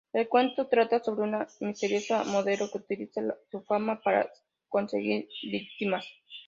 El cuento trata sobre una misteriosa modelo que utiliza su fama para conseguir víctimas.